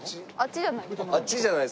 あっちじゃない？